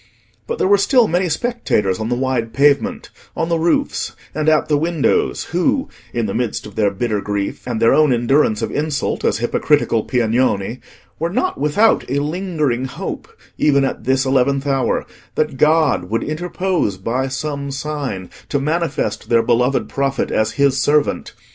But there were still many spectators on the wide pavement, on the roofs, and at the windows, who, in the midst of their bitter grief and their own endurance of insult as hypocritical Piagnoni, were not without a lingering hope, even at this eleventh hour, that God would interpose, by some sign, to manifest their beloved prophet as His servant.